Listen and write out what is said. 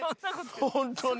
ホントに。